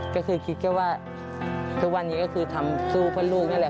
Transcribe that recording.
ก็คือคิดแค่ว่าทุกวันนี้ก็คือทำสู้เพื่อลูกนั่นแหละ